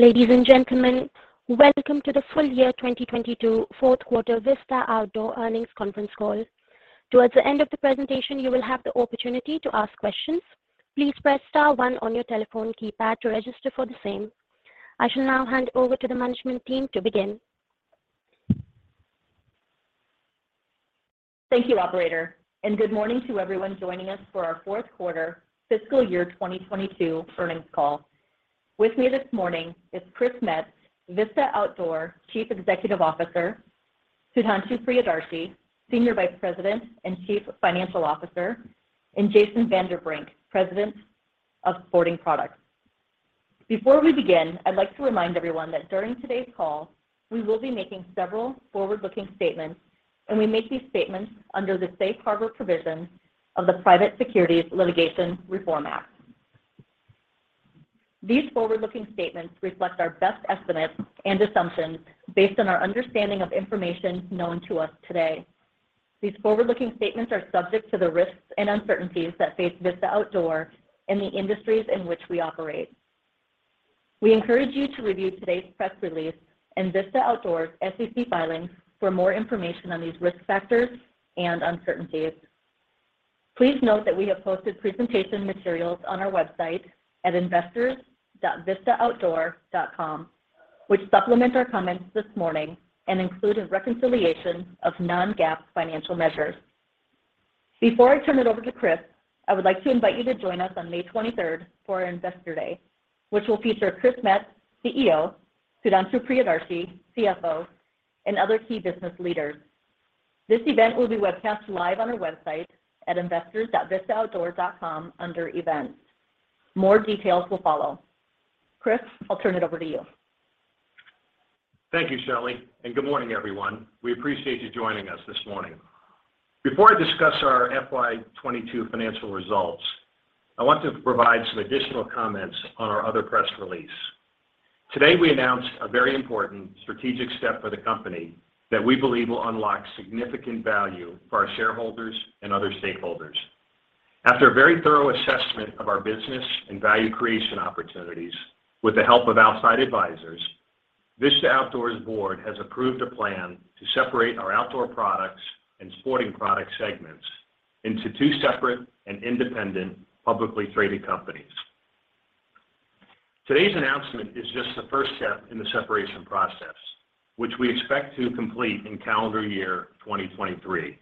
Ladies and gentlemen, welcome to the full year 2022 fourth quarter Vista Outdoor Earnings conference call. Towards the end of the presentation, you will have the opportunity to ask questions. Please press star one on your telephone keypad to register for the same. I shall now hand over to the management team to begin. Thank you, operator, and good morning to everyone joining us for our fourth quarter fiscal year 2022 earnings call. With me this morning is Chris Metz, Vista Outdoor Chief Executive Officer, Sudhanshu Priyadarshi, Senior Vice President and Chief Financial Officer, and Jason Vanderbrink, President of Sporting Products. Before we begin, I'd like to remind everyone that during today's call, we will be making several forward-looking statements, and we make these statements under the Safe Harbor provisions of the Private Securities Litigation Reform Act. These forward-looking statements reflect our best estimates and assumptions based on our understanding of information known to us today. These forward-looking statements are subject to the risks and uncertainties that face Vista Outdoor and the industries in which we operate. We encourage you to review today's press release and Vista Outdoor's SEC filings for more information on these risk factors and uncertainties. Please note that we have posted presentation materials on our website at investors.vistaoutdoor.com, which supplement our comments this morning and include a reconciliation of non-GAAP financial measures. Before I turn it over to Chris, I would like to invite you to join us on May twenty-third for our Investor Day, which will feature Chris Metz, CEO, Sudhanshu Priyadarshi, CFO, and other key business leaders. This event will be webcast live on our website at investors.vistaoutdoor.com under Events. More details will follow. Chris, I'll turn it over to you. Thank you, Shelly, and good morning, everyone. We appreciate you joining us this morning. Before I discuss our FY 2022 financial results, I want to provide some additional comments on our other press release. Today, we announced a very important strategic step for the company that we believe will unlock significant value for our shareholders and other stakeholders. After a very thorough assessment of our business and value creation opportunities with the help of outside advisors, Vista Outdoor's board has approved a plan to separate our Outdoor Products and Sporting Products segments into two separate and independent publicly traded companies. Today's announcement is just the first step in the separation process, which we expect to complete in calendar year 2023.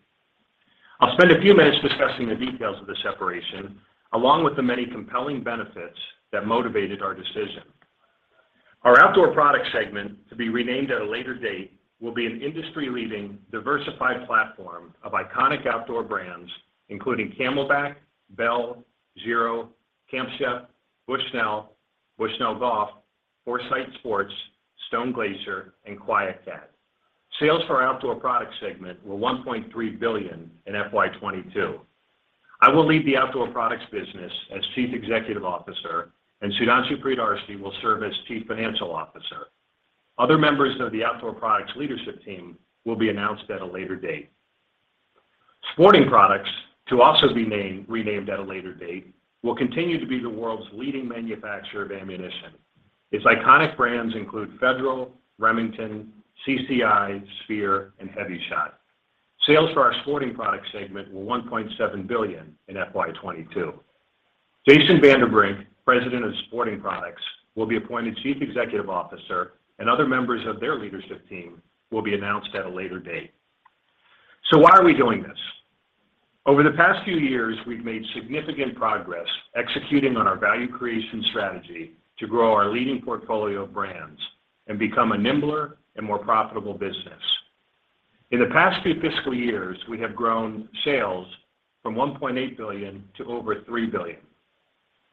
I'll spend a few minutes discussing the details of the separation along with the many compelling benefits that motivated our decision. Our Outdoor Products segment, to be renamed at a later date, will be an industry-leading diversified platform of iconic outdoor brands, including CamelBak, Bell, Giro, Camp Chef, Bushnell Golf, Foresight Sports, Stone Glacier, and QuietKat. Sales for our Outdoor Products segment were $1.3 billion in FY 2022. I will lead the Outdoor Products business as Chief Executive Officer, and Sudhanshu Priyadarshi will serve as Chief Financial Officer. Other members of the Outdoor Products leadership team will be announced at a later date. Sporting Products, to be renamed at a later date, will continue to be the world's leading manufacturer of ammunition. Its iconic brands include Federal, Remington, CCI, Speer, and HEVI-Shot. Sales for our Sporting Products segment were $1.7 billion in FY 2022. Jason Vanderbrink, President of Sporting Products, will be appointed Chief Executive Officer, and other members of their leadership team will be announced at a later date. Why are we doing this? Over the past few years, we've made significant progress executing on our value creation strategy to grow our leading portfolio of brands and become a nimbler and more profitable business. In the past few fiscal years, we have grown sales from $1.8 billion to over $3 billion,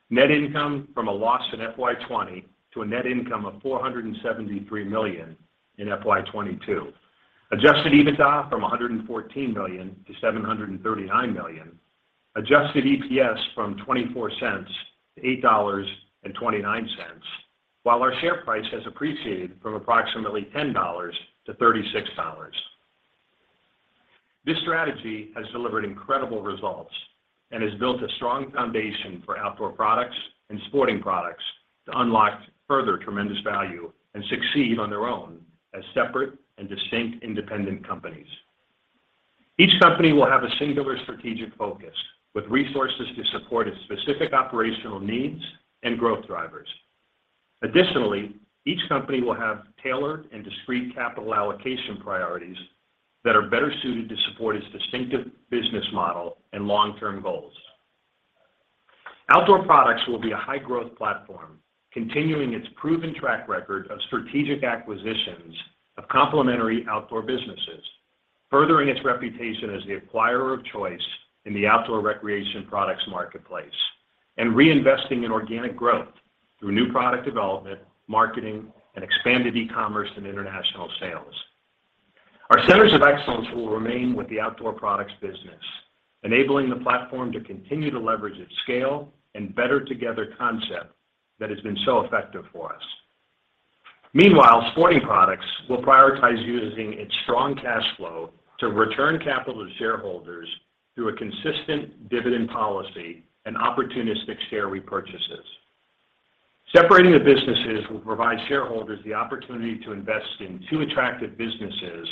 net income from a loss in FY 2020 to a net income of $473 million in FY 2022, adjusted EBITDA from $114 million to $739 million, adjusted EPS from $0.24 to $8.29, while our share price has appreciated from approximately $10 to $36. This strategy has delivered incredible results and has built a strong foundation for Outdoor Products and Sporting Products to unlock further tremendous value and succeed on their own as separate and distinct independent companies. Each company will have a singular strategic focus with resources to support its specific operational needs and growth drivers. Additionally, each company will have tailored and discrete capital allocation priorities that are better suited to support its distinctive business model and long-term goals. Outdoor Products will be a high-growth platform, continuing its proven track record of strategic acquisitions of complementary outdoor businesses, furthering its reputation as the acquirer of choice in the outdoor recreation products marketplace, and reinvesting in organic growth through new product development, marketing, and expanded e-commerce and international sales. Our centers of excellence will remain with the Outdoor Products business, enabling the platform to continue to leverage its scale and better together concept that has been so effective for us. Meanwhile, Sporting Products will prioritize using its strong cash flow to return capital to shareholders through a consistent dividend policy and opportunistic share repurchases. Separating the businesses will provide shareholders the opportunity to invest in two attractive businesses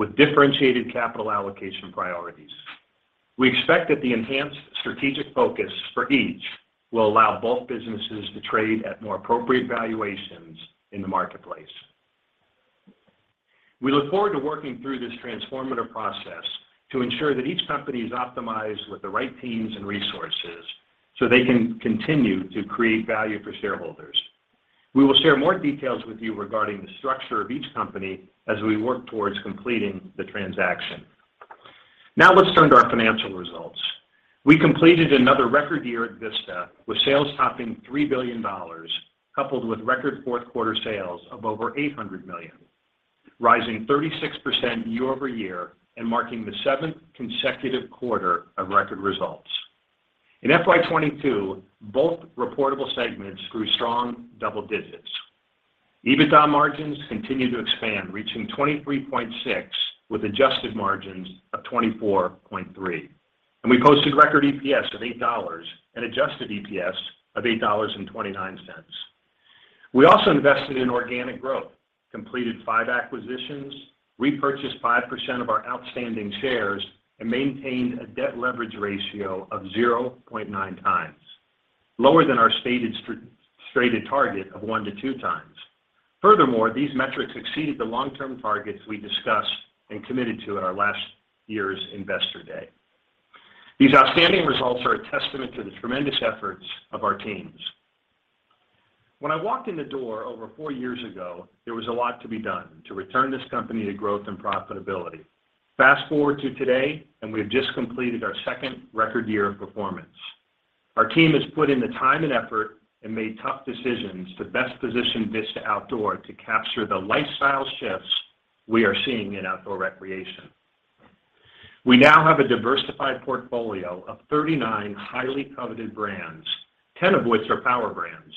with differentiated capital allocation priorities. We expect that the enhanced strategic focus for each will allow both businesses to trade at more appropriate valuations in the marketplace. We look forward to working through this transformative process to ensure that each company is optimized with the right teams and resources so they can continue to create value for shareholders. We will share more details with you regarding the structure of each company as we work towards completing the transaction. Now let's turn to our financial results. We completed another record year at Vista, with sales topping $3 billion, coupled with record fourth quarter sales of over $800 million, rising 36% year-over-year and marking the seventh consecutive quarter of record results. In FY 2022, both reportable segments grew strong double digits. EBITDA margins continued to expand, reaching 23.6%, with adjusted margins of 24.3%. We posted record EPS of $8 and adjusted EPS of $8.29. We also invested in organic growth, completed five acquisitions, repurchased 5% of our outstanding shares, and maintained a debt leverage ratio of 0.9x, lower than our stated target of 1-2x. Furthermore, these metrics exceeded the long-term targets we discussed and committed to at our last year's Investor Day. These outstanding results are a testament to the tremendous efforts of our teams. When I walked in the door over four years ago, there was a lot to be done to return this company to growth and profitability. Fast-forward to today, we have just completed our second record year of performance. Our team has put in the time and effort and made tough decisions to best position Vista Outdoor to capture the lifestyle shifts we are seeing in outdoor recreation. We now have a diversified portfolio of 39 highly coveted brands, 10 of which are power brands,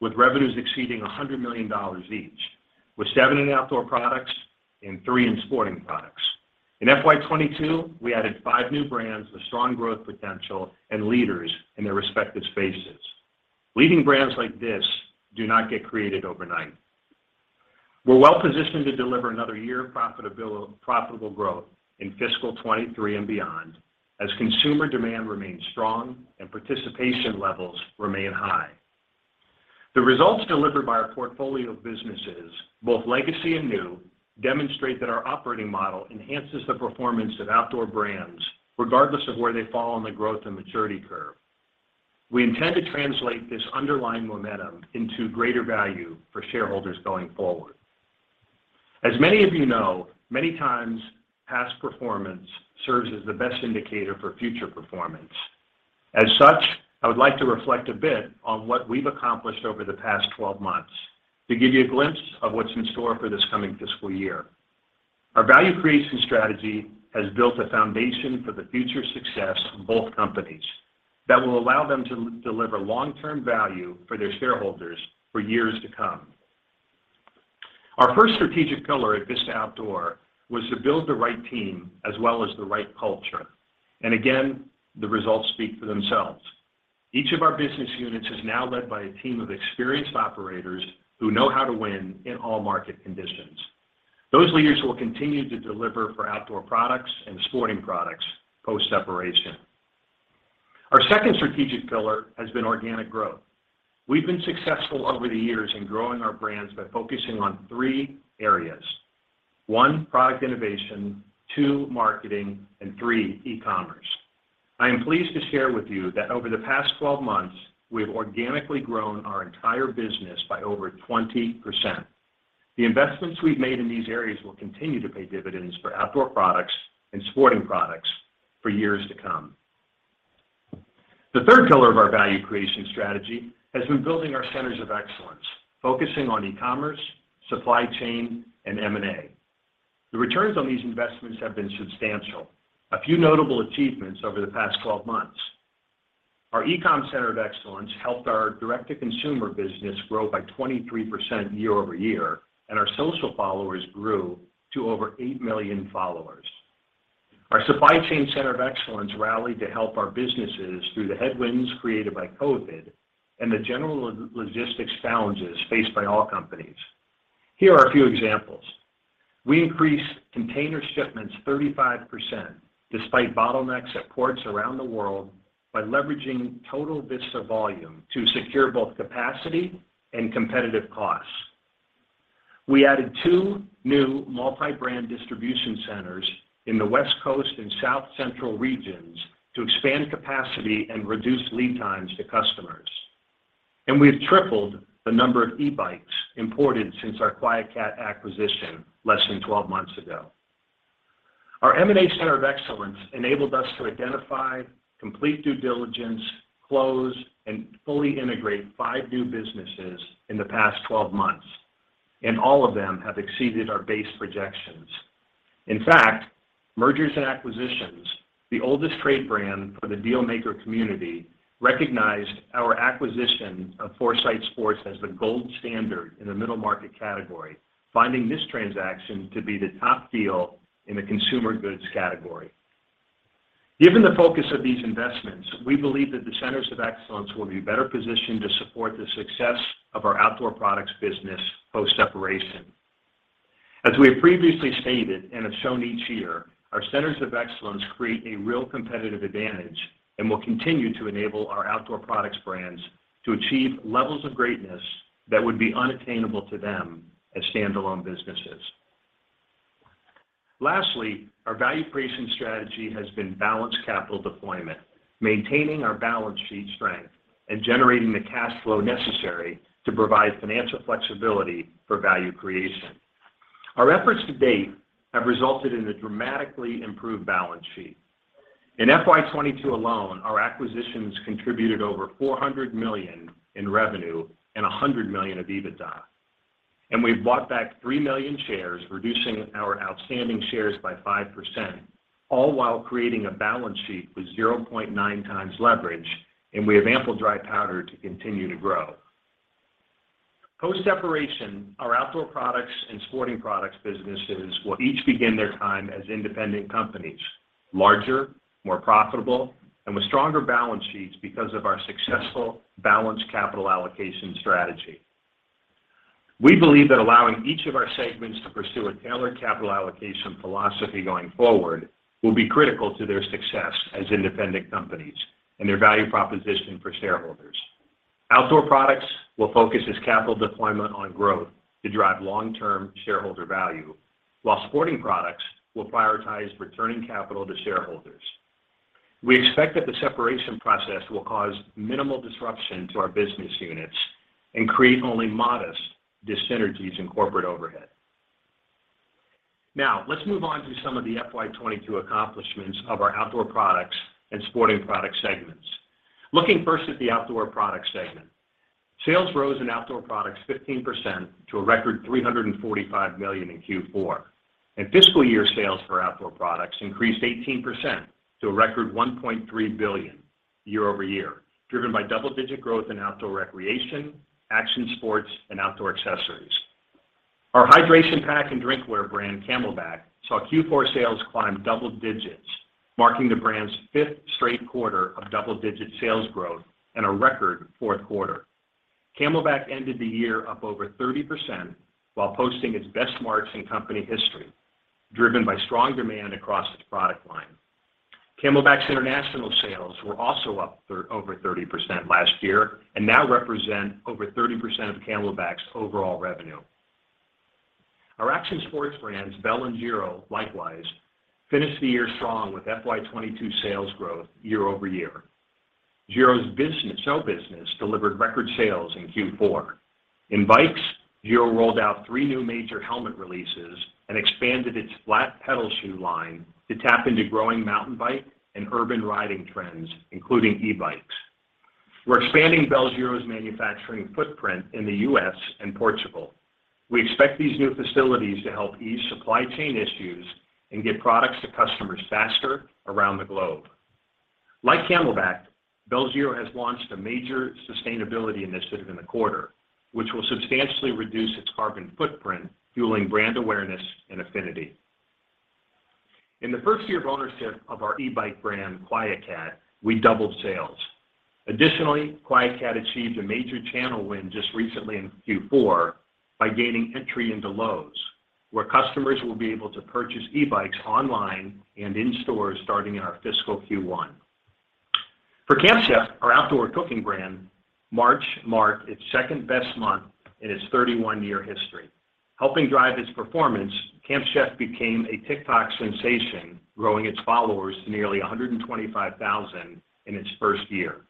with revenues exceeding $100 million each, with seven in Outdoor Products and three in Sporting Products. In FY 2022, we added five new brands with strong growth potential and leaders in their respective spaces. Leading brands like this do not get created overnight. We're well-positioned to deliver another year of profitability, profitable growth in fiscal 2023 and beyond as consumer demand remains strong and participation levels remain high. The results delivered by our portfolio of businesses, both legacy and new, demonstrate that our operating model enhances the performance of outdoor brands regardless of where they fall on the growth and maturity curve. We intend to translate this underlying momentum into greater value for shareholders going forward. As many of you know, many times past performance serves as the best indicator for future performance. As such, I would like to reflect a bit on what we've accomplished over the past 12 months to give you a glimpse of what's in store for this coming fiscal year. Our value creation strategy has built a foundation for the future success of both companies that will allow them to deliver long-term value for their shareholders for years to come. Our first strategic pillar at Vista Outdoor was to build the right team as well as the right culture, and again, the results speak for themselves. Each of our business units is now led by a team of experienced operators who know how to win in all market conditions. Those leaders will continue to deliver for Outdoor Products and Sporting Products post-separation. Our second strategic pillar has been organic growth. We've been successful over the years in growing our brands by focusing on three areas. One, product innovation, two, marketing, and three, e-commerce. I am pleased to share with you that over the past 12 months, we have organically grown our entire business by over 20%. The investments we've made in these areas will continue to pay dividends for Outdoor Products and Sporting Products for years to come. The third pillar of our value creation strategy has been building our centers of excellence, focusing on e-commerce, supply chain, and M&A. The returns on these investments have been substantial. A few notable achievements over the past 12 months. Our E-comm Center of Excellence helped our direct-to-consumer business grow by 23% year-over-year, and our social followers grew to over 8 million followers. Our Supply Chain Center of Excellence rallied to help our businesses through the headwinds created by COVID and the general logistics challenges faced by all companies. Here are a few examples. We increased container shipments 35% despite bottlenecks at ports around the world by leveraging total Vista volume to secure both capacity and competitive costs. We added two new multi-brand distribution centers in the West Coast and South Central regions to expand capacity and reduce lead times to customers. We've tripled the number of e-bikes imported since our QuietKat acquisition less than twelve months ago. Our M&A Center of Excellence enabled us to identify, complete due diligence, close, and fully integrate five new businesses in the past twelve months, and all of them have exceeded our base projections. In fact, Mergers & Acquisitions, the oldest trade brand for the deal maker community, recognized our acquisition of Foresight Sports as the gold standard in the middle market category, finding this transaction to be the top deal in the consumer goods category. Given the focus of these investments, we believe that the centers of excellence will be better positioned to support the success of our outdoor products business post-separation. As we have previously stated and have shown each year, our centers of excellence create a real competitive advantage and will continue to enable our outdoor products brands to achieve levels of greatness that would be unattainable to them as standalone businesses. Lastly, our value creation strategy has been balanced capital deployment, maintaining our balance sheet strength, and generating the cash flow necessary to provide financial flexibility for value creation. Our efforts to date have resulted in a dramatically improved balance sheet. In FY22 alone, our acquisitions contributed over $400 million in revenue and $100 million of EBITDA. We've bought back 3 million shares, reducing our outstanding shares by 5%, all while creating a balance sheet with 0.9 times leverage, and we have ample dry powder to continue to grow. Post-separation, our Outdoor Products and Sporting Products businesses will each begin their time as independent companies, larger, more profitable, and with stronger balance sheets because of our successful balanced capital allocation strategy. We believe that allowing each of our segments to pursue a tailored capital allocation philosophy going forward will be critical to their success as independent companies and their value proposition for shareholders. Outdoor Products will focus its capital deployment on growth to drive long-term shareholder value, while Sporting Products will prioritize returning capital to shareholders. We expect that the separation process will cause minimal disruption to our business units and create only modest dyssynergies in corporate overhead. Now, let's move on to some of the FY22 accomplishments of our Outdoor Products and Sporting Products segments. Looking first at the Outdoor Products segment. Sales rose in Outdoor Products 15% to a record $345 million in Q4, and fiscal year sales for Outdoor Products increased 18% to a record $1.3 billion year-over-year, driven by double-digit growth in outdoor recreation, action sports, and outdoor accessories. Our hydration pack and drinkware brand, CamelBak, saw Q4 sales climb double digits, marking the brand's fifth straight quarter of double-digit sales growth and a record fourth quarter. CamelBak ended the year up over 30% while posting its best marks in company history, driven by strong demand across its product line. CamelBak's international sales were also up over 30% last year and now represent over 30% of CamelBak's overall revenue. Our action sports brands, Bell and Giro, likewise, finished the year strong with FY22 sales growth year-over-year. Giro's helmet business delivered record sales in Q4. In bikes, Giro rolled out three new major helmet releases and expanded its flat pedal shoe line to tap into growing mountain bike and urban riding trends, including e-bikes. We're expanding Bell and Giro's manufacturing footprint in the US and Portugal. We expect these new facilities to help ease supply chain issues and get products to customers faster around the globe. Like CamelBak, Bell and Giro has launched a major sustainability initiative in the quarter, which will substantially reduce its carbon footprint, fueling brand awareness and affinity. In the first year of ownership of our e-bike brand, QuietKat, we doubled sales. Additionally, QuietKat achieved a major channel win just recently in Q4 by gaining entry into Lowe's, where customers will be able to purchase e-bikes online and in stores starting in our fiscal Q1. For Camp Chef, our outdoor cooking brand, March marked its second-best month in its 31-year history. Helping drive its performance, Camp Chef became a TikTok sensation, growing its followers to nearly 125,000 in its first year.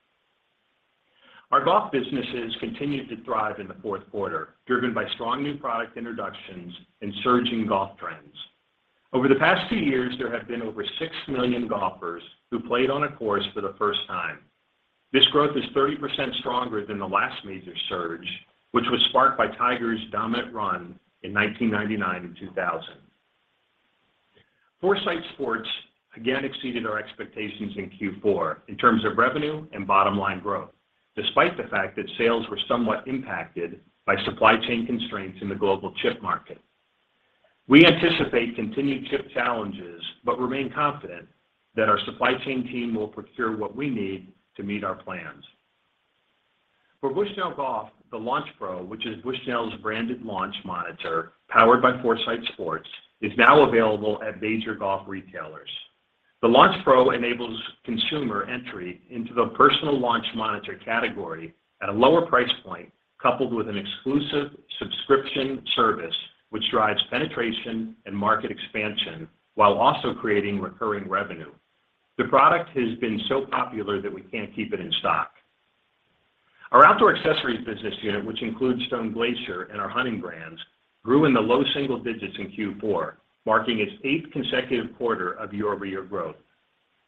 Our golf businesses continued to thrive in the fourth quarter, driven by strong new product introductions and surging golf trends. Over the past two years, there have been over 6 million golfers who played on a course for the first time. This growth is 30% stronger than the last major surge, which was sparked by Tiger's dominant run in 1999 and 2000. Foresight Sports again exceeded our expectations in Q4 in terms of revenue and bottom-line growth, despite the fact that sales were somewhat impacted by supply chain constraints in the global chip market. We anticipate continued chip challenges but remain confident that our supply chain team will procure what we need to meet our plans. For Bushnell Golf, the Launch Pro, which is Bushnell's branded launch monitor powered by Foresight Sports, is now available at major golf retailers. The Launch Pro enables consumer entry into the personal launch monitor category at a lower price point, coupled with an exclusive subscription service, which drives penetration and market expansion while also creating recurring revenue. The product has been so popular that we can't keep it in stock. Our outdoor accessories business unit, which includes Stone Glacier and our hunting brands, grew in the low single digits% in Q4, marking its eighth consecutive quarter of year-over-year growth.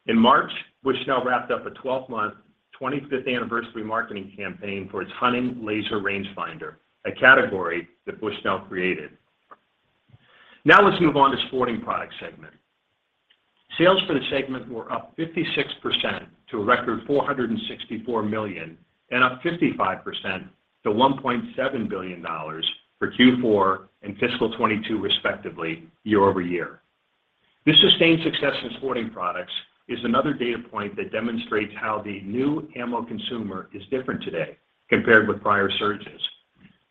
In March, Bushnell wrapped up a 12-month 25th anniversary marketing campaign for its hunting laser range finder, a category that Bushnell created. Now let's move on to Sporting Products segment. Sales for the segment were up 56% to a record $464 million and up 55% to $1.7 billion for Q4 and fiscal 2022 respectively year-over-year. This sustained success in Sporting Products is another data point that demonstrates how the new ammo consumer is different today compared with prior surges.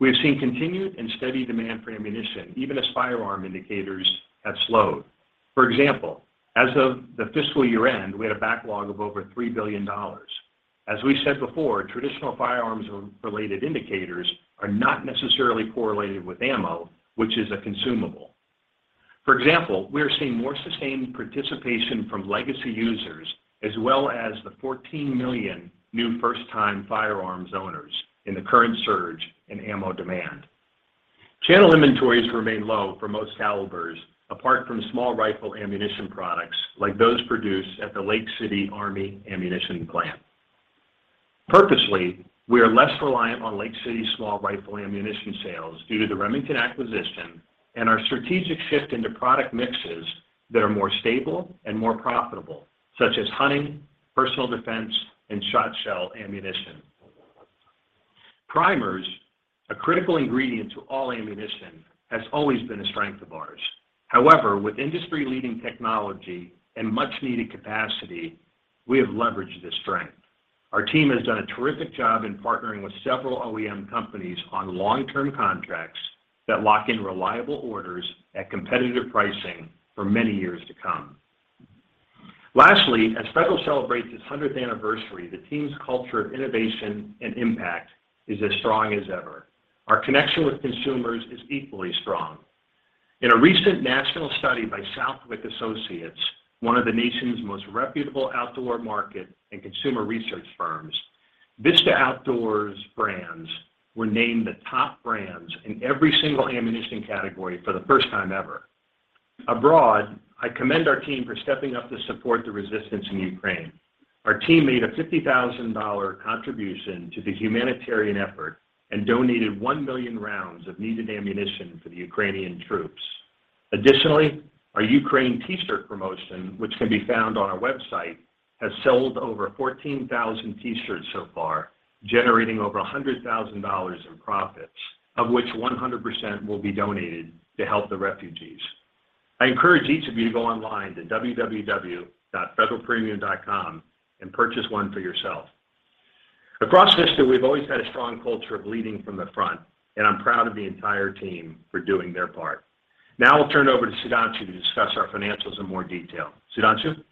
We have seen continued and steady demand for ammunition even as firearm indicators have slowed. For example, as of the fiscal year-end, we had a backlog of over $3 billion. As we said before, traditional firearms-related indicators are not necessarily correlated with ammo, which is a consumable. For example, we are seeing more sustained participation from legacy users as well as the 14 million new first-time firearms owners in the current surge in ammo demand. Channel inventories remain low for most calibers, apart from small rifle ammunition products like those produced at the Lake City Army Ammunition Plant. Purposely, we are less reliant on Lake City small rifle ammunition sales due to the Remington acquisition and our strategic shift into product mixes that are more stable and more profitable, such as hunting, personal defense, and shot shell ammunition. Primers, a critical ingredient to all ammunition, has always been a strength of ours. However, with industry-leading technology and much-needed capacity, we have leveraged this strength. Our team has done a terrific job in partnering with several OEM companies on long-term contracts that lock in reliable orders at competitive pricing for many years to come. Lastly, as Federal celebrates its hundredth anniversary, the team's culture of innovation and impact is as strong as ever. Our connection with consumers is equally strong. In a recent national study by Southwick Associates, one of the nation's most reputable outdoor market and consumer research firms, Vista Outdoor's brands were named the top brands in every single ammunition category for the first time ever. Abroad, I commend our team for stepping up to support the resistance in Ukraine. Our team made a $50,000 contribution to the humanitarian effort and donated 1,000,000 rounds of needed ammunition for the Ukrainian troops. Additionally, our Ukraine T-shirt promotion, which can be found on our website, has sold over 14,000 T-shirts so far, generating over $100,000 in profits, of which 100% will be donated to help the refugees. I encourage each of you to go online to www.federalpremium.com and purchase one for yourself. Across Vista, we've always had a strong culture of leading from the front, and I'm proud of the entire team for doing their part. Now I'll turn it over to Sudhanshu to discuss our financials in more detail. Sudhanshu?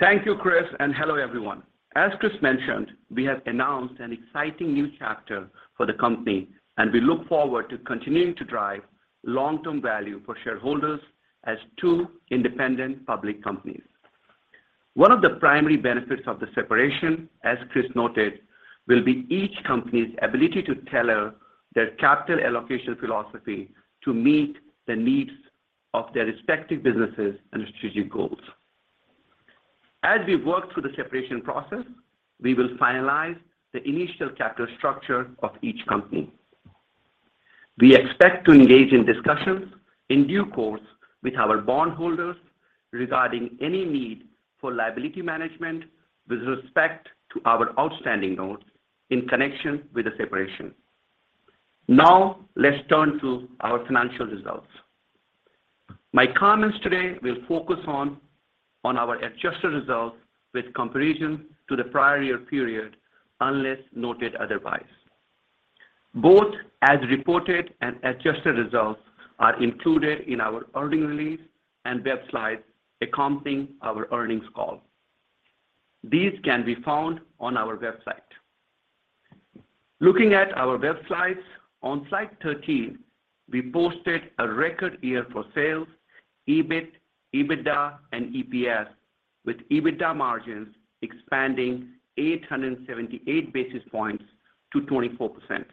Thank you, Chris, and hello, everyone. As Chris mentioned, we have announced an exciting new chapter for the company, and we look forward to continuing to drive long-term value for shareholders as two independent public companies. One of the primary benefits of the separation, as Chris noted, will be each company's ability to tailor their capital allocation philosophy to meet the needs of their respective businesses and strategic goals. As we work through the separation process, we will finalize the initial capital structure of each company. We expect to engage in discussions in due course with our bondholders regarding any need for liability management with respect to our outstanding notes in connection with the separation. Now let's turn to our financial results. My comments today will focus on our adjusted results with comparison to the prior year period, unless noted otherwise. Both as reported and adjusted results are included in our earnings release and web slides accompanying our earnings call. These can be found on our website. Looking at our web slides, on slide 13, we posted a record year for sales, EBIT, EBITDA, and EPS, with EBITDA margins expanding 878 basis points to 24%.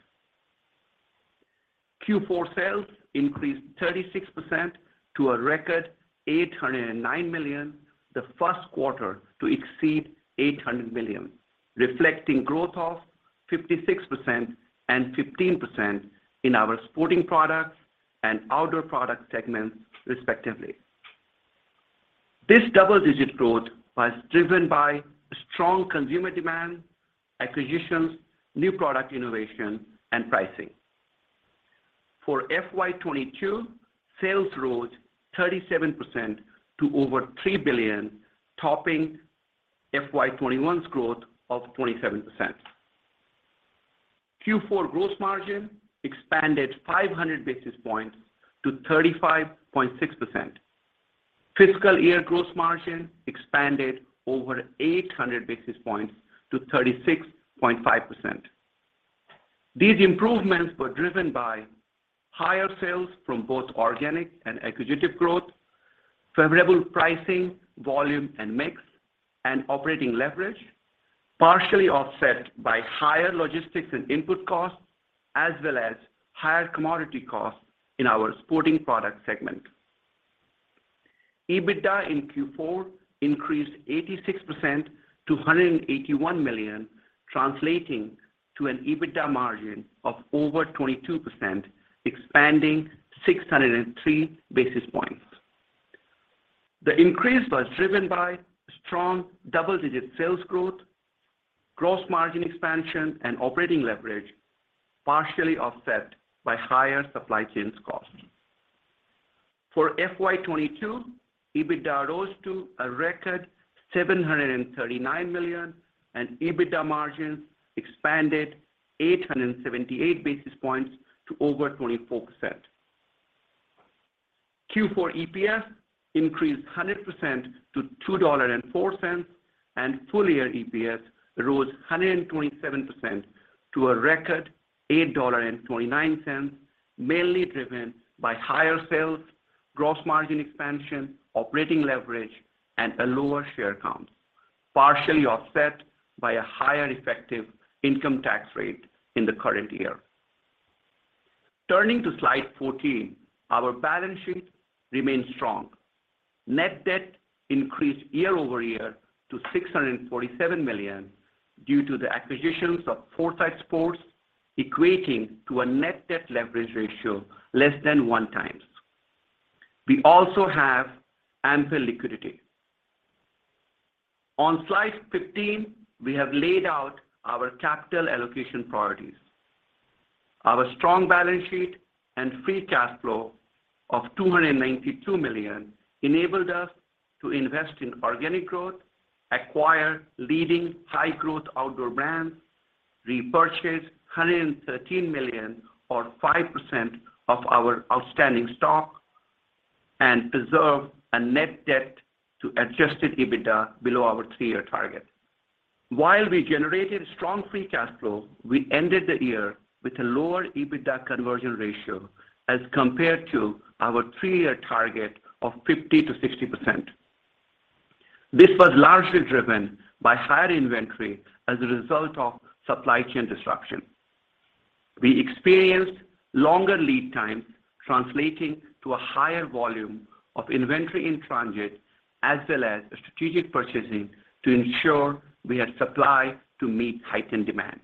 Q4 sales increased 36% to a record $809 million, the first quarter to exceed $800 million, reflecting growth of 56% and 15% in our Sporting Products and Outdoor Products segments, respectively. This double-digit growth was driven by strong consumer demand, acquisitions, new product innovation, and pricing. For FY 2022, sales rose 37% to over $3 billion, topping FY 2021's growth of 27%. Q4 gross margin expanded 500 basis points to 35.6%. Fiscal year gross margin expanded over 800 basis points to 36.5%. These improvements were driven by higher sales from both organic and acquisitive growth, favorable pricing, volume, and mix, and operating leverage. Partially offset by higher logistics and input costs, as well as higher commodity costs in our Sporting Products segment. EBITDA in Q4 increased 86% to $181 million, translating to an EBITDA margin of over 22%, expanding 603 basis points. The increase was driven by strong double-digit sales growth, gross margin expansion, and operating leverage, partially offset by higher supply chain costs. For FY 2022, EBITDA rose to a record $739 million, and EBITDA margins expanded 878 basis points to over 24%. Q4 EPS increased 100% to $2.04, and full-year EPS rose 127% to a record $8.29, mainly driven by higher sales, gross margin expansion, operating leverage, and a lower share count, partially offset by a higher effective income tax rate in the current year. Turning to slide 14, our balance sheet remains strong. Net debt increased year-over-year to $647 million due to the acquisitions of Foresight Sports, equating to a net debt leverage ratio less than 1x. We also have ample liquidity. On slide 15, we have laid out our capital allocation priorities. Our strong balance sheet and free cash flow of $292 million enabled us to invest in organic growth, acquire leading high-growth outdoor brands, repurchase $113 million or 5% of our outstanding stock, and preserve a net debt to adjusted EBITDA below our three-year target. While we generated strong free cash flow, we ended the year with a lower EBITDA conversion ratio as compared to our three-year target of 50%-60%. This was largely driven by higher inventory as a result of supply chain disruption. We experienced longer lead times translating to a higher volume of inventory in transit, as well as strategic purchasing to ensure we had supply to meet heightened demand.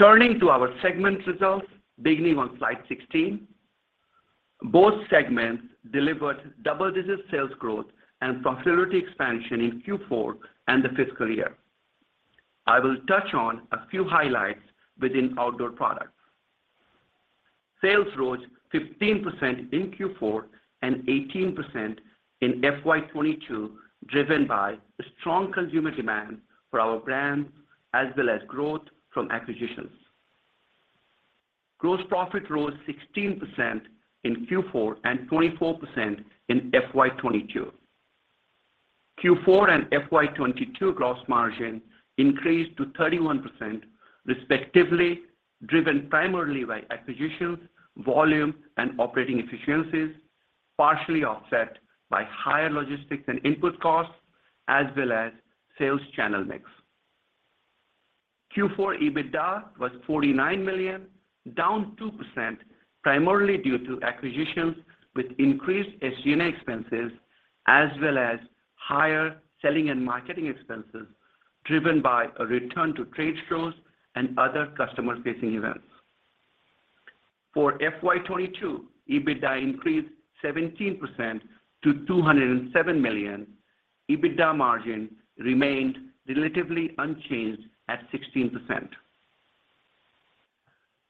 Turning to our segment results, beginning on slide 16. Both segments delivered double-digit sales growth and profitability expansion in Q4 and the fiscal year. I will touch on a few highlights within Outdoor Products. Sales rose 15% in Q4 and 18% in FY 2022, driven by strong consumer demand for our brands as well as growth from acquisitions. Gross profit rose 16% in Q4 and 24% in FY 2022. Q4 and FY 2022 gross margin increased to 31% respectively, driven primarily by acquisitions, volume, and operating efficiencies, partially offset by higher logistics and input costs as well as sales channel mix. Q4 EBITDA was $49 million, down 2% primarily due to acquisitions with increased SG&A expenses as well as higher selling and marketing expenses driven by a return to trade shows and other customer-facing events. For FY 2022, EBITDA increased 17% to $207 million. EBITDA margin remained relatively unchanged at 16%.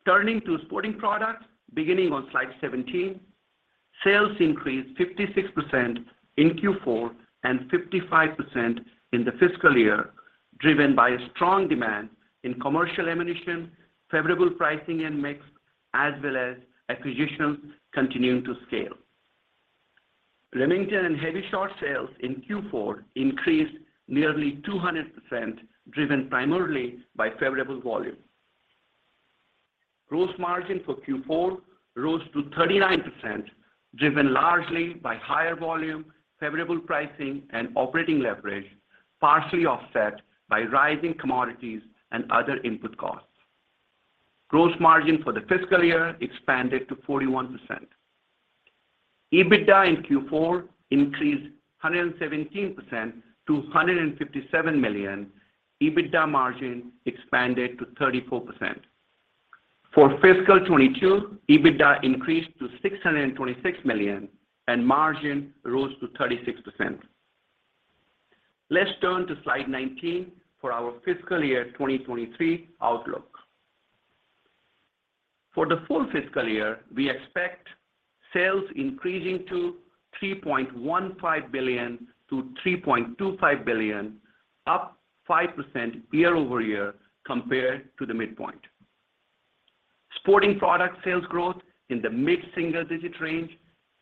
Turning to Sporting Products, beginning on slide 17. Sales increased 56% in Q4 and 55% in the fiscal year, driven by strong demand in commercial ammunition, favorable pricing and mix, as well as acquisitions continuing to scale. Remington and HEVI-Shot sales in Q4 increased nearly 200%, driven primarily by favorable volume. Gross margin for Q4 rose to 39%, driven largely by higher volume, favorable pricing, and operating leverage, partially offset by rising commodities and other input costs. Gross margin for the fiscal year expanded to 41%. EBITDA in Q4 increased 117% to $157 million. EBITDA margin expanded to 34%. For fiscal 2022, EBITDA increased to $626 million, and margin rose to 36%. Let's turn to slide 19 for our fiscal year 2023 outlook. For the full fiscal year, we expect sales increasing to $3.15 billion-$3.25 billion, up 5% year-over-year compared to the midpoint. Sporting Products sales growth in the mid-single-digit range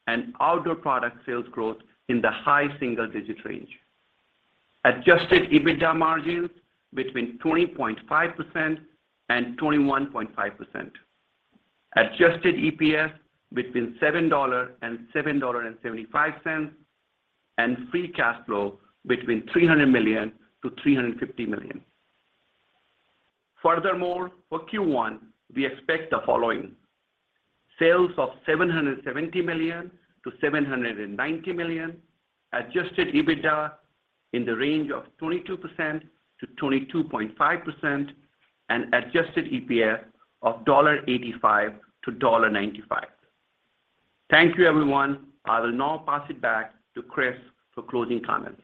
and Outdoor Products sales growth in the high-single-digit range. Adjusted EBITDA margins between 20.5% and 21.5%. Adjusted EPS between $7 and $7.75, and free cash flow between $300 million and $350 million. Furthermore, for Q1, we expect the following. Sales of $770 million-$790 million, adjusted EBITDA in the range of 22%-22.5%, and adjusted EPS of $0.85-$0.95. Thank you, everyone. I will now pass it back to Chris for closing comments.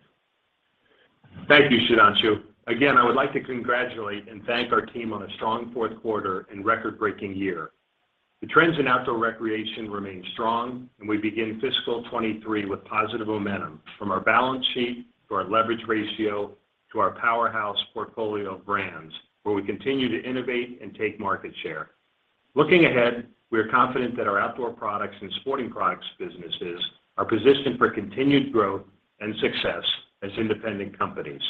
Thank you, Sudhanshu. Again, I would like to congratulate and thank our team on a strong fourth quarter and record-breaking year. The trends in outdoor recreation remain strong, and we begin fiscal 2023 with positive momentum from our balance sheet to our leverage ratio to our powerhouse portfolio of brands, where we continue to innovate and take market share. Looking ahead, we are confident that our Outdoor Products and Sporting Products businesses are positioned for continued growth and success as independent companies.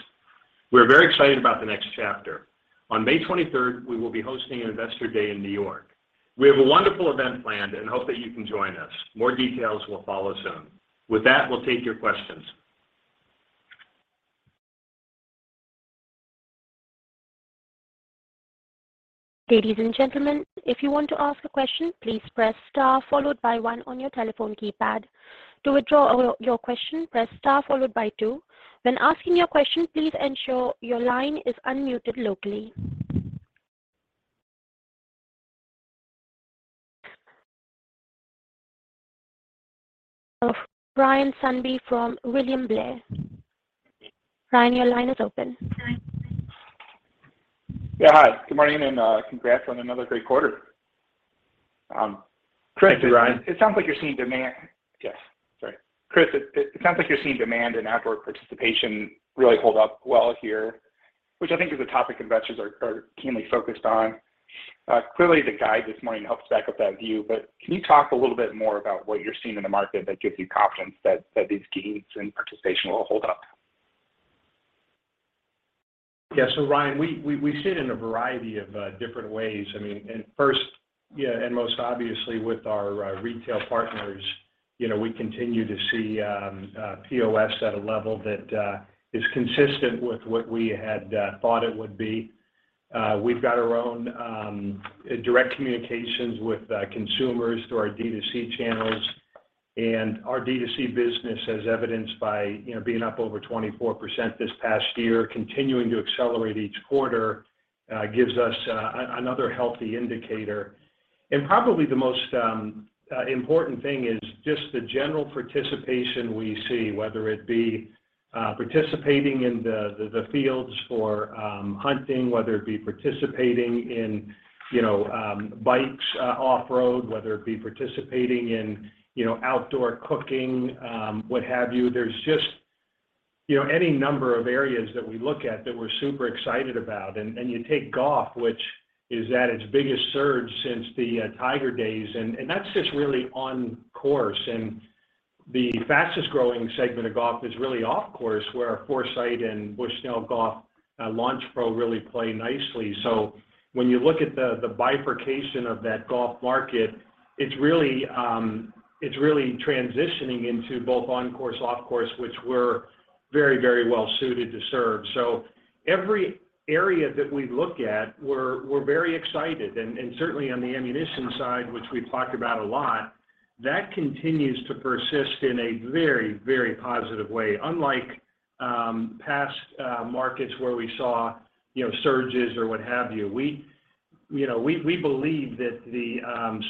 We're very excited about the next chapter. On May twenty-third, we will be hosting an investor day in New York. We have a wonderful event planned and hope that you can join us. More details will follow soon. With that, we'll take your questions. Ladies and gentlemen, if you want to ask a question, please press star followed by one on your telephone keypad. To withdraw your question, press star followed by two. When asking your question, please ensure your line is unmuted locally. We have Ryan Sundby from William Blair. Ryan, your line is open. Yeah, hi. Good morning, and congrats on another great quarter. Thank you, Ryan. Chris, it sounds like you're seeing demand and outdoor participation really hold up well here, which I think is a topic investors are keenly focused on. Clearly the guide this morning helps back up that view, but can you talk a little bit more about what you're seeing in the market that gives you confidence that these gains in participation will hold up? Yeah. Ryan, we see it in a variety of different ways. I mean, and first, yeah, and most obviously with our retail partners, you know, we continue to see POS at a level that is consistent with what we had thought it would be. We've got our own direct communications with consumers through our D2C channels. Our D2C business, as evidenced by, you know, being up over 24% this past year, continuing to accelerate each quarter, gives us another healthy indicator. Probably the most important thing is just the general participation we see, whether it be participating in the fields for hunting, whether it be participating in, you know, bikes off-road, whether it be participating in, you know, outdoor cooking, what have you. There's just, you know, any number of areas that we look at that we're super excited about. You take golf, which is at its biggest surge since the Tiger days, and that's just really on course. The fastest-growing segment of golf is really off course, where Foresight and Bushnell Golf Launch Pro really play nicely. When you look at the bifurcation of that golf market, it's really transitioning into both on course, off course, which we're very, very well suited to serve. Every area that we look at, we're very excited and certainly on the ammunition side, which we've talked about a lot, that continues to persist in a very, very positive way. Unlike past markets where we saw, you know, surges or what have you. We, you know, believe that the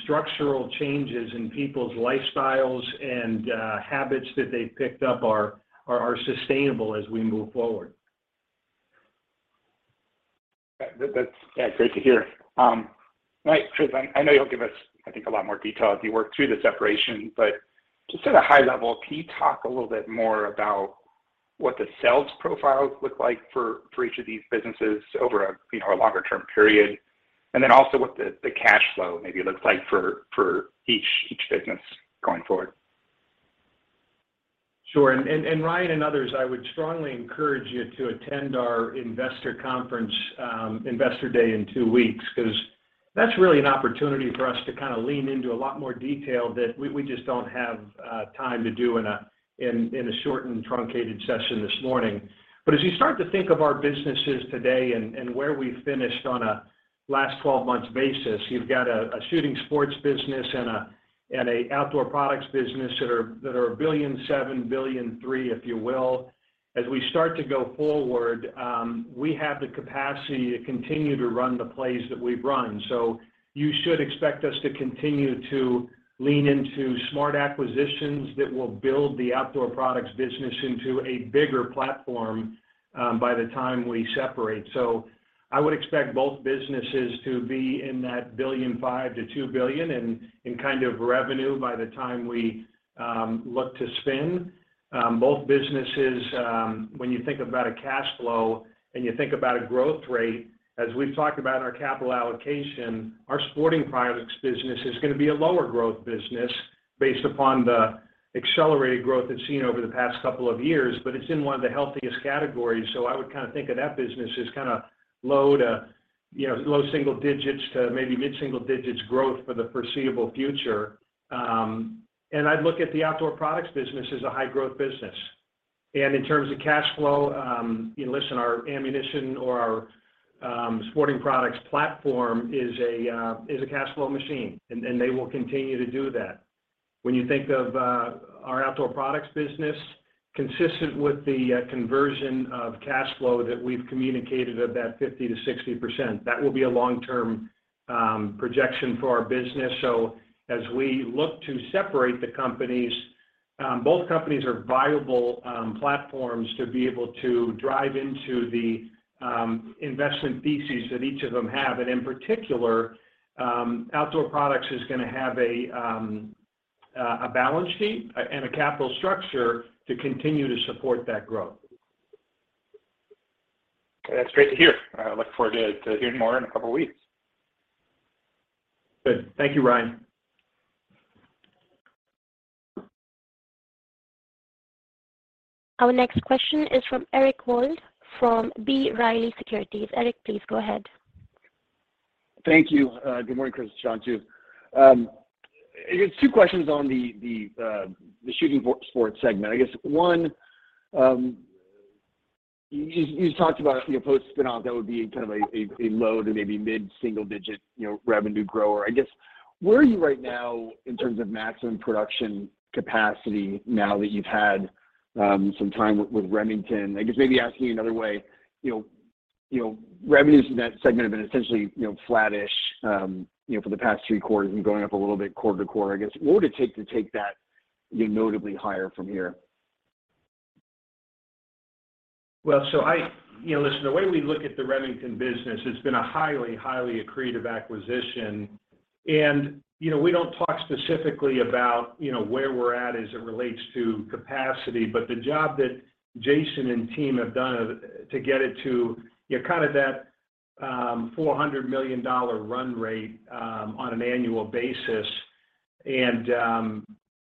structural changes in people's lifestyles and habits that they've picked up are sustainable as we move forward. That's yeah great to hear. Right. Chris, I know you'll give us, I think, a lot more detail as you work through the separation, but just at a high level, can you talk a little bit more about what the sales profiles look like for each of these businesses over a you know longer-term period? Then also what the cash flow maybe looks like for each business going forward. Sure. Ryan and others, I would strongly encourage you to attend our investor conference, investor day in two weeks, 'cause that's really an opportunity for us to kind of lean into a lot more detail that we just don't have time to do in a short and truncated session this morning. As you start to think of our businesses today and where we finished on a last 12 months basis, you've got a shooting sports business and a outdoor products business that are $1.7 billion, $3 billion, if you will. As we start to go forward, we have the capacity to continue to run the plays that we've run. You should expect us to continue to lean into smart acquisitions that will build the Outdoor Products business into a bigger platform by the time we separate. I would expect both businesses to be in that $1.5 billion-$2 billion in kind of revenue by the time we look to spin. Both businesses, when you think about a cash flow and you think about a growth rate, as we've talked about in our capital allocation, our Sporting Products business is gonna be a lower growth business based upon the accelerated growth we've seen over the past couple of years, but it's in one of the healthiest categories, so I would kind of think of that business as kind of low single digits to maybe mid single digits growth for the foreseeable future. I'd look at the Outdoor Products business as a high growth business. In terms of cash flow, listen, our ammunition or our Sporting Products platform is a cash flow machine, and they will continue to do that. When you think of our Outdoor Products business, consistent with the conversion of cash flow that we've communicated of that 50%-60%, that will be a long-term projection for our business. As we look to separate the companies, both companies are viable platforms to be able to drive into the investment theses that each of them have. In particular, Outdoor Products is gonna have a balance sheet and a capital structure to continue to support that growth. That's great to hear. I look forward to hearing more in a couple of weeks. Good. Thank you, Ryan. Our next question is from Eric Wold from B. Riley Securities. Eric, please go ahead. Thank you. Good morning, Chris and Sudhanshu. I guess two questions on the shooting sports segment. I guess one, you talked about your post-spin-off that would be kind of a low- to mid-single-digit, you know, revenue grower. I guess, where are you right now in terms of maximum production capacity now that you've had some time with Remington? I guess maybe asking you another way, you know, revenues in that segment have been essentially, you know, flattish for the past three quarters and going up a little bit quarter to quarter. I guess, what would it take to take that notably higher from here? The way we look at the Remington business, it's been a highly accretive acquisition. You know, we don't talk specifically about where we're at as it relates to capacity, but the job that Jason and team have done to get it to, you know, kind of that $400 million run rate on an annual basis and,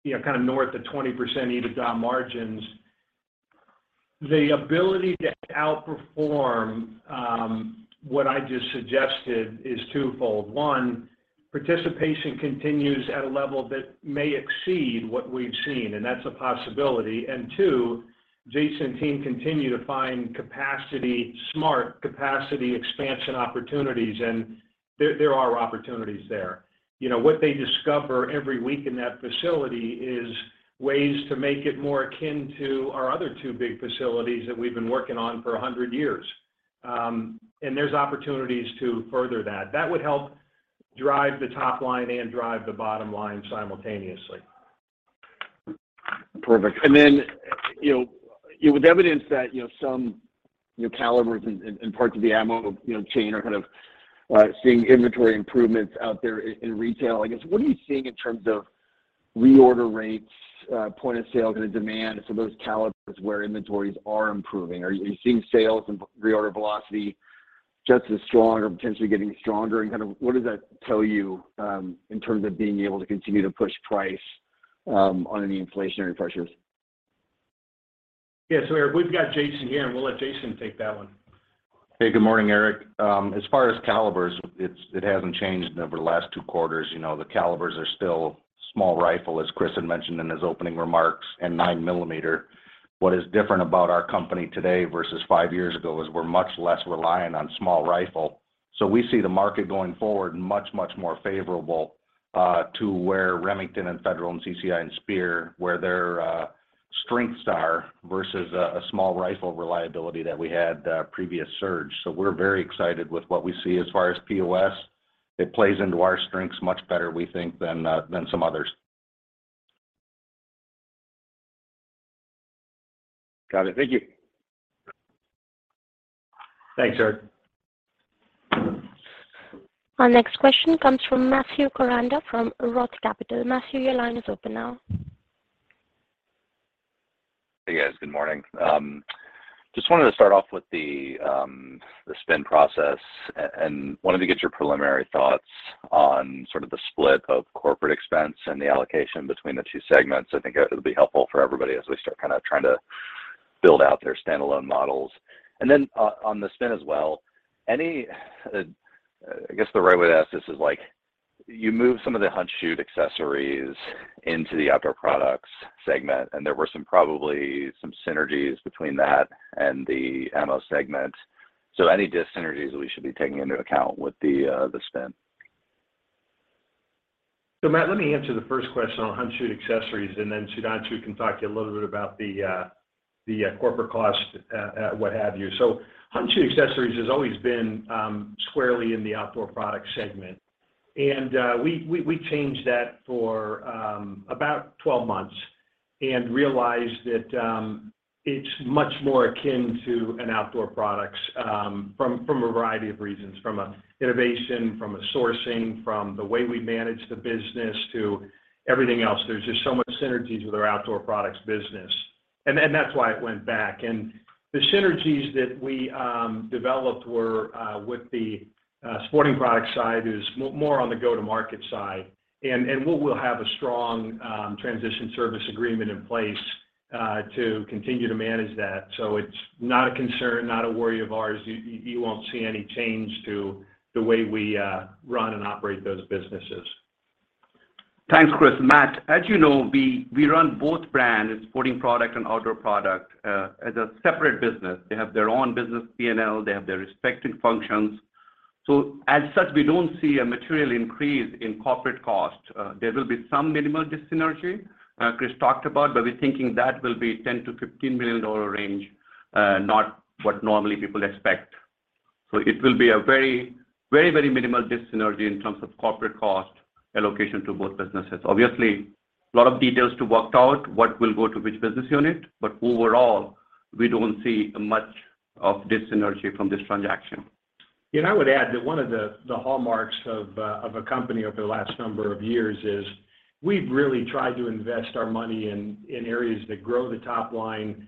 you know, kind of north of 20% EBITDA margins. The ability to outperform what I just suggested is twofold. One, participation continues at a level that may exceed what we've seen, and that's a possibility. Two, Jason and team continue to find capacity, smart capacity expansion opportunities, and there are opportunities there. You know, what they discover every week in that facility is ways to make it more akin to our other two big facilities that we've been working on for 100 years. There's opportunities to further that. That would help drive the top line and drive the bottom line simultaneously. Perfect. Then, you know, with evidence that, you know, some, you know, calibers and parts of the ammo chain are kind of seeing inventory improvements out there in retail. I guess, what are you seeing in terms of reorder rates, point of sale kind of demand for those calibers where inventories are improving? Are you seeing sales and reorder velocity just as strong or potentially getting stronger? Kind of what does that tell you in terms of being able to continue to push price on any inflationary pressures? Yeah. Eric, we've got Jason here, and we'll let Jason take that one. Hey, good morning, Eric. As far as calibers, it hasn't changed over the last two quarters. You know, the calibers are still small rifle, as Chris had mentioned in his opening remarks, and 9 millimeter. What is different about our company today versus five years ago is we're much less reliant on small rifle. We see the market going forward much, much more favorable to where Remington and Federal and CCI and Speer, where their strengths are versus a small rifle reliability that we had previous surge. We're very excited with what we see as far as POS. It plays into our strengths much better, we think, than some others. Got it. Thank you. Thanks, Eric. Our next question comes from Matthew Koranda from ROTH Capital. Matthew, your line is open now. Hey, guys. Good morning. Just wanted to start off with the spin process and wanted to get your preliminary thoughts on sort of the split of corporate expense and the allocation between the two segments. I think it'll be helpful for everybody as we start kind of trying to build out their standalone models. Then on the spin as well, I guess the right way to ask this is, like, you moved some of the hunt, shoot accessories into the Outdoor Products segment, and there were some probably some synergies between that and the ammo segment. Any dis-synergies that we should be taking into account with the spin? Matt, let me answer the first question on hunt, shoot accessories, and then Sudhanshu can talk to you a little bit about the corporate cost, what have you. Hunt, shoot accessories has always been squarely in the Outdoor Products segment. We changed that for about 12 months and realized that it's much more akin to Outdoor Products from a variety of reasons, from an innovation, from a sourcing, from the way we manage the business to everything else. There's just so much synergies with our Outdoor Products business. That's why it went back. The synergies that we developed were with the Sporting Products side is more on the go-to-market side. We'll have a strong transition service agreement in place to continue to manage that. It's not a concern, not a worry of ours. You won't see any change to the way we run and operate those businesses. Thanks, Chris. Matt, as you know, we run both brands, Sporting Products and Outdoor Products as separate businesses. They have their own business P&L. They have their respective functions. As such, we don't see a material increase in corporate costs. There will be some minimal dyssynergy Chris talked about, but we're thinking that will be $10 million-$15 million range, not what normally people expect. It will be a very minimal dyssynergy in terms of corporate cost allocation to both businesses. Obviously, a lot of details to work out what will go to which business unit, but overall, we don't see much of dyssynergy from this transaction. I would add that one of the hallmarks of a company over the last number of years is we've really tried to invest our money in areas that grow the top line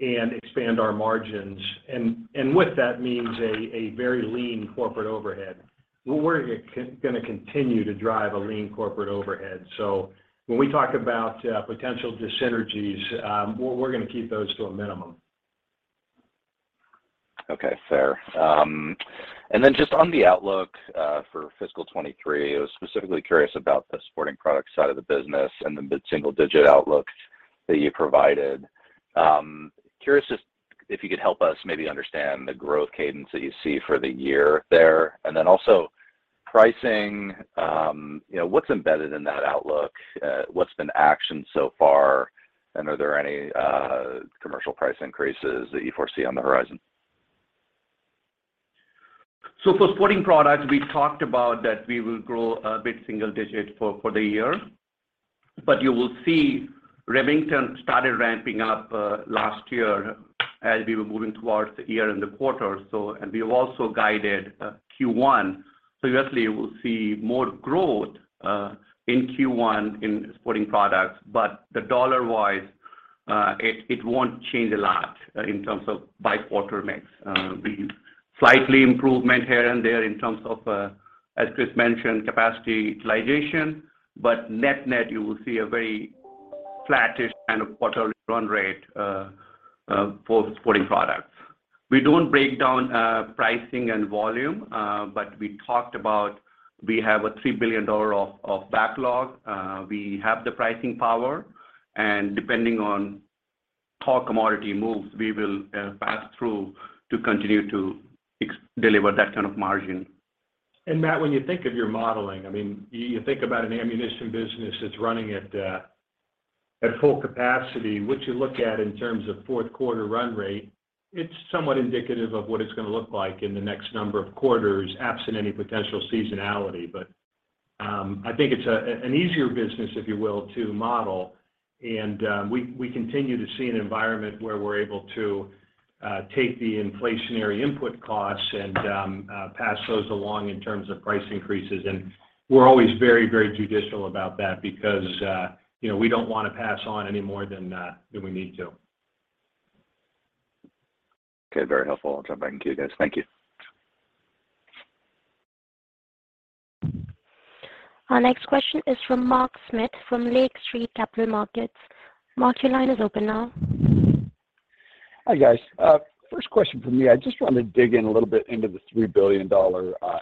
and expand our margins, and with that means a very lean corporate overhead. We're gonna continue to drive a lean corporate overhead. When we talk about potential dyssynergies, we're gonna keep those to a minimum. Okay. Fair. On the outlook for fiscal 2023, I was specifically curious about the Sporting Products side of the business and the mid-single-digit % outlook that you provided. Curious just if you could help us maybe understand the growth cadence that you see for the year there. Also pricing, you know, what's embedded in that outlook, what's been actioned so far, and are there any commercial price increases that you foresee on the horizon? For Sporting Products, we talked about that we will grow a bit single digit for the year. You will see Remington started ramping up last year as we were moving towards the year and the quarter. We have also guided Q1. Obviously we'll see more growth in Q1 in Sporting Products, but the dollar-wise, it won't change a lot in terms of by quarter mix. Slight improvement here and there in terms of, as Chris mentioned, capacity utilization, but net-net, you will see a very flattish kind of quarterly run rate for the Sporting Products. We don't break down pricing and volume, but we talked about we have a $3 billion of backlog. We have the pricing power, and depending on how commodity moves, we will pass through to continue to deliver that kind of margin. Matt, when you think of your modeling, I mean, you think about an ammunition business that's running at full capacity, what you look at in terms of fourth quarter run rate, it's somewhat indicative of what it's gonna look like in the next number of quarters, absent any potential seasonality. I think it's an easier business, if you will, to model. We continue to see an environment where we're able to take the inflationary input costs and pass those along in terms of price increases. We're always very judicious about that because, you know, we don't wanna pass on any more than we need to. Okay. Very helpful. I'll jump back into you guys. Thank you. Our next question is from Mark Smith from Lake Street Capital Markets. Mark, your line is open now. Hi, guys. First question from me, I just wanted to dig in a little bit into the $3 billion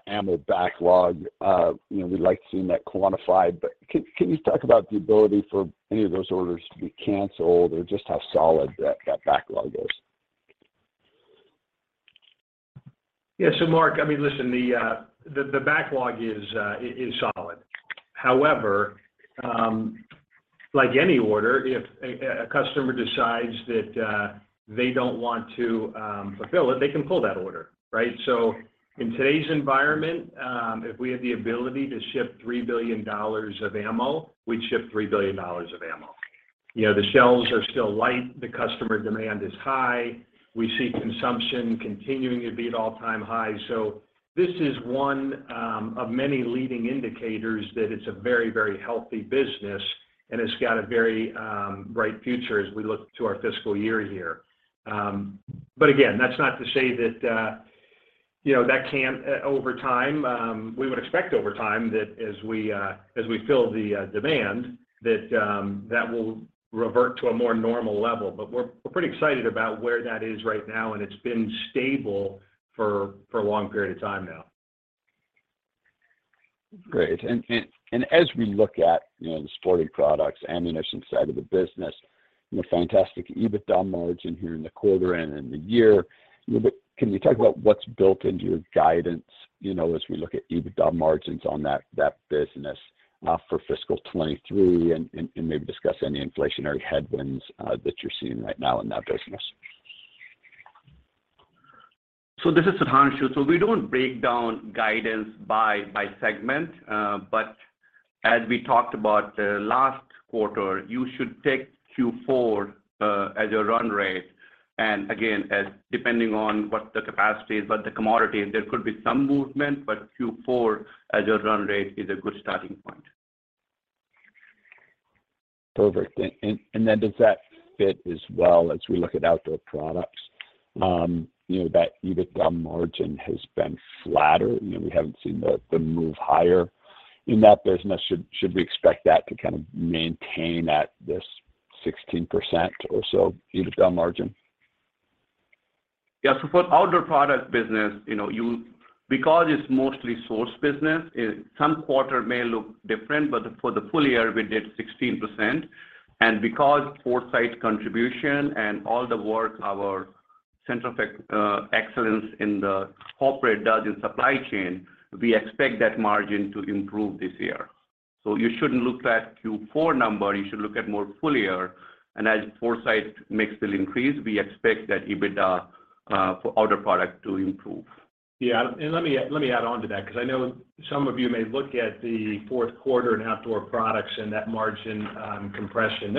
ammo backlog. You know, we like seeing that quantified, but can you talk about the ability for any of those orders to be canceled or just how solid that backlog is? Yeah. Mark, I mean, listen, the backlog is solid. However, like any order, if a customer decides that they don't want to fulfill it, they can pull that order, right? In today's environment, if we had the ability to ship $3 billion of ammo, we'd ship $3 billion of ammo. You know, the shelves are still light. The customer demand is high. We see consumption continuing to be at all-time high. This is one of many leading indicators that it's a very, very healthy business, and it's got a very bright future as we look to our fiscal year here. Again, that's not to say that, you know, that can't over time. We would expect over time that as we fill the demand, that will revert to a more normal level. We're pretty excited about where that is right now, and it's been stable for a long period of time now. Great. As we look at, you know, the Sporting Products, ammunition side of the business, you know, fantastic EBITDA margin here in the quarter and in the year, you know, but can you talk about what's built into your guidance, you know, as we look at EBITDA margins on that business for fiscal 2023 and maybe discuss any inflationary headwinds that you're seeing right now in that business? This is Sudhanshu. We don't break down guidance by segment. But as we talked about last quarter, you should take Q4 as your run rate. Again, as depending on what the capacity is, but the commodity, there could be some movement, but Q4 as your run rate is a good starting point. Perfect. Then does that fit as well as we look at Outdoor Products? You know, that EBITDA margin has been flatter. You know, we haven't seen the move higher in that business. Should we expect that to kind of maintain at this 16% or so EBITDA margin? Yeah. For the Outdoor Products business, you know, because it's mostly sourced business, some quarters may look different, but for the full year we did 16%. Because Foresight contribution and all the work our Supply Chain Center of Excellence does, we expect that margin to improve this year. You shouldn't look at Q4 number, you should look at the full year. As Foresight mix will increase, we expect that EBITDA for Outdoor Products to improve. Yeah. Let me add on to that because I know some of you may look at the fourth quarter in Outdoor Products and that margin compression.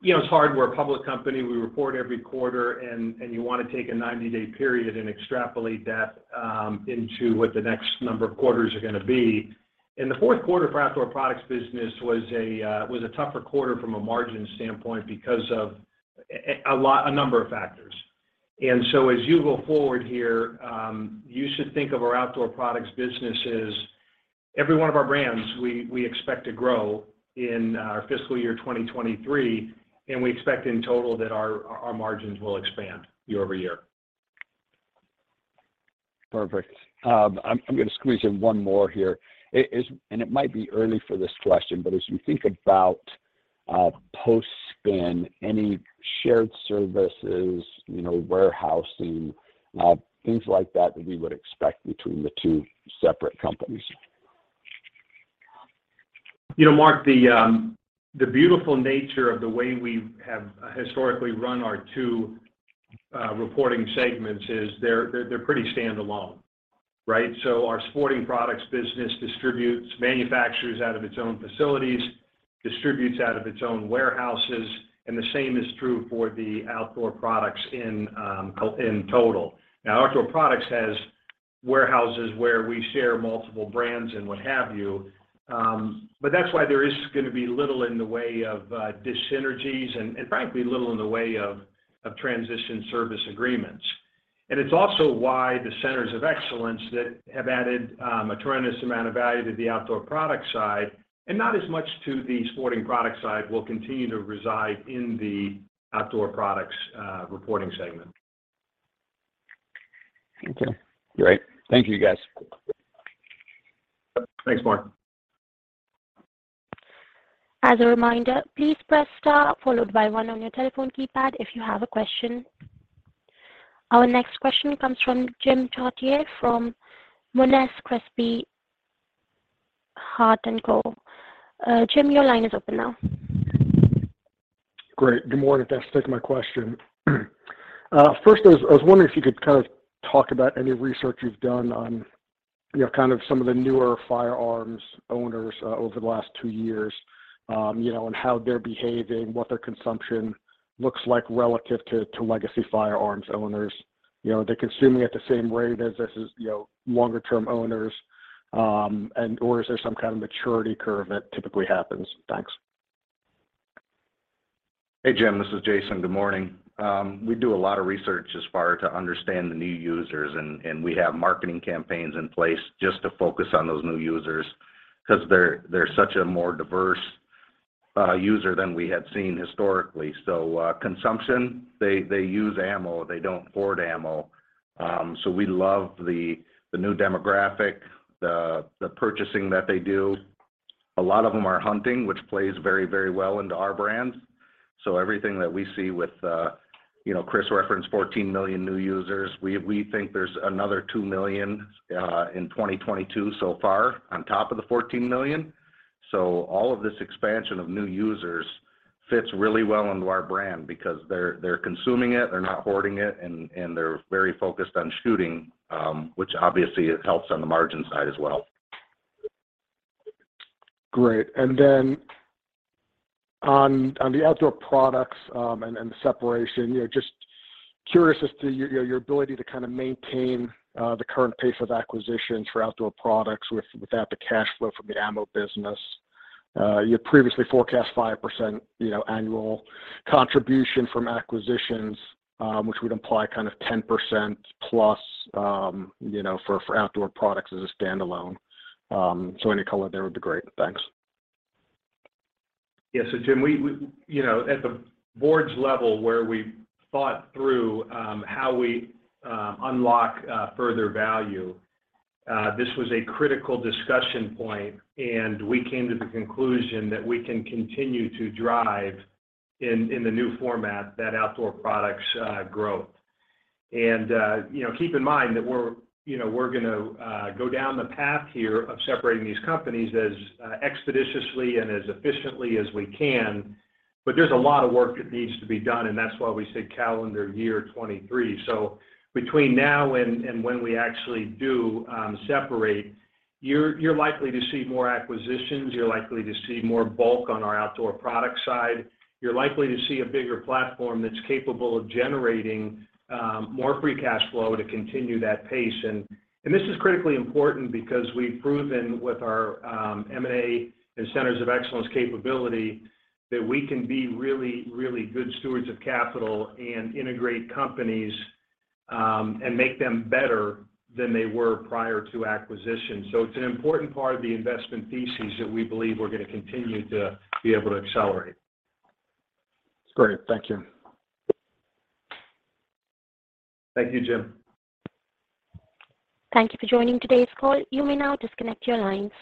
You know, as we're a public company, we report every quarter and you want to take a 90-day period and extrapolate that into what the next number of quarters are gonna be. In the fourth quarter for Outdoor Products business was a tougher quarter from a margin standpoint because of a number of factors. As you go forward here, you should think of our Outdoor Products business as every one of our brands we expect to grow in fiscal year 2023, and we expect in total that our margins will expand year-over-year. Perfect. I'm gonna squeeze in one more here. It might be early for this question, but as you think about post-spin, any shared services, you know, warehousing, things like that we would expect between the two separate companies. You know, Mark, the beautiful nature of the way we have historically run our two reporting segments is they're pretty standalone, right? Our Sporting Products business manufactures and distributes out of its own facilities, distributes out of its own warehouses, and the same is true for the Outdoor Products in total. Outdoor Products has warehouses where we share multiple brands and what have you, but that's why there is gonna be little in the way of dyssynergies and frankly little in the way of transition service agreements. It's also why the Centers of Excellence that have added a tremendous amount of value to the Outdoor Products side and not as much to the Sporting Products side will continue to reside in the Outdoor Products reporting segment. Okay. Great. Thank you, guys. Thanks, Mark. As a reminder, please press star followed by one on your telephone keypad if you have a question. Our next question comes from Jim Chartier from Monness, Crespi, Hardt & Co. Jim, your line is open now. Great. Good morning. Thanks for taking my question. First, I was wondering if you could kind of talk about any research you've done on, you know, kind of some of the newer firearms owners over the last two years, you know, and how they're behaving, what their consumption looks like relative to legacy firearms owners. You know, are they consuming at the same rate as, you know, longer term owners, or is there some kind of maturity curve that typically happens? Thanks. Hey, Jim, this is Jason. Good morning. We do a lot of research as far to understand the new users and we have marketing campaigns in place just to focus on those new users 'cause they're such a more diverse user than we had seen historically. Consumption, they use ammo. They don't hoard ammo. We love the new demographic, the purchasing that they do. A lot of them are hunting, which plays very, very well into our brands. Everything that we see with, you know, Chris referenced 14 million new users. We think there's another 2 million in 2022 so far on top of the 14 million. All of this expansion of new users fits really well into our brand because they're consuming it, they're not hoarding it, and they're very focused on shooting, which obviously it helps on the margin side as well. Great. Then on the Outdoor Products and the separation, you know, just curious as to your ability to kind of maintain the current pace of acquisitions for Outdoor Products without the cash flow from the ammo business. You previously forecast 5%, you know, annual contribution from acquisitions, which would imply kind of 10% plus, you know, for Outdoor Products as a stand-alone. Any color there would be great. Thanks. Yeah. Jim, we, you know, at the board's level where we thought through how we unlock further value, this was a critical discussion point, and we came to the conclusion that we can continue to drive in the new format that Outdoor Products growth. You know, keep in mind that we're, you know, we're gonna go down the path here of separating these companies as expeditiously and as efficiently as we can, but there's a lot of work that needs to be done, and that's why we say calendar year 2023. Between now and when we actually do separate, you're likely to see more acquisitions. You're likely to see more build on our Outdoor Products side. You're likely to see a bigger platform that's capable of generating more free cash flow to continue that pace. This is critically important because we've proven with our M&A and Centers of Excellence capability that we can be really, really good stewards of capital and integrate companies and make them better than they were prior to acquisition. It's an important part of the investment thesis that we believe we're gonna continue to be able to accelerate. Great. Thank you. Thank you, Jim. Thank you for joining today's call. You may now disconnect your lines.